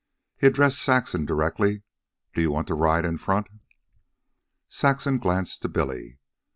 He addressed Saxon directly. "Do you want to ride in front?" Saxon glanced to Billy.